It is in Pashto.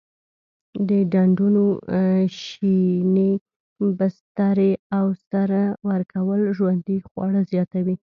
د ډنډونو شینې بسترې او سره ورکول ژوندي خواړه زیاتوي.